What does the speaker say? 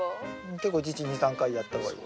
結構一日２３回やった方がいい。